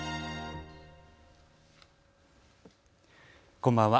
こんばんは。